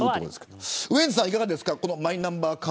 ウエンツさん、いかがですか。